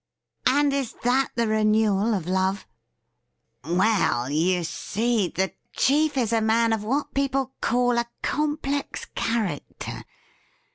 ' And is that the renewal of love T ' Well, you see, the chief is a man of what people call a complex character.